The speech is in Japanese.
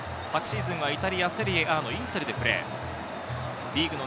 昨シーズンはイタリア・セリエＡのインテルでプレー。